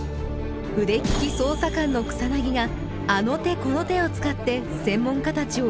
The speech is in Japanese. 腕利き捜査官の草があの手この手を使って専門家たちを追い詰めていきます